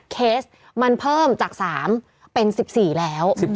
เคสมันเพิ่มจาก๓เป็น๑๔แล้ว